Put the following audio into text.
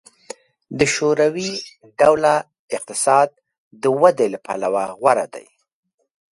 د شوروي ډوله اقتصاد د ودې له پلوه غوره دی